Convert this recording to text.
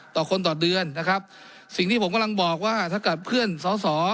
ต่อคนต่อเดือนนะครับสิ่งที่ผมกำลังบอกว่าถ้ากับเพื่อนสอสอ